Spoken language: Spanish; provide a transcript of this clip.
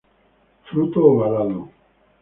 Fruto ovalado.